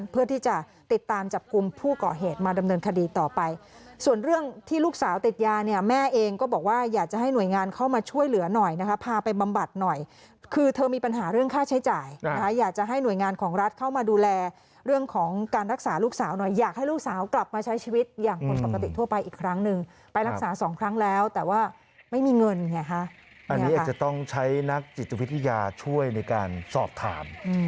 เพื่อที่จะติดตามจับกลุ่มผู้เกาะเหตุมาดำเนินคดีต่อไปส่วนเรื่องที่ลูกสาวติดยาเนี่ยแม่เองก็บอกว่าอยากจะให้หน่วยงานเข้ามาช่วยเหลือหน่อยนะคะพาไปบำบัดหน่อยคือเธอมีปัญหาเรื่องค่าใช้จ่ายอยากจะให้หน่วยงานของรัฐเข้ามาดูแลเรื่องของการรักษาลูกสาวหน่อยอยากให้ลูกสาวกลับมาใช้ชีวิตอย่างคนปกติทั่วไปอีกครั้